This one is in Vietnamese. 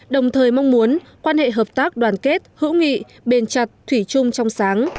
đồng thời mong muốn quan hệ hợp tác đoàn kết hữu nghị bền chặt thủy chung trong sáng